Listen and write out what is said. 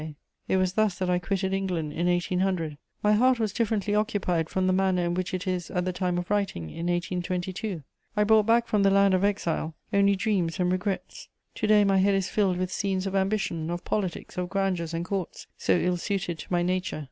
[Sidenote: I return to France.] It was thus that I quitted England in 1800; my heart was differently occupied from the manner in which it is at the time of writing, in 1822. I brought back from the land of exile only dreams and regrets; to day my head is filled with scenes of ambition, of politics, of grandeurs and Courts, so ill suited to my nature.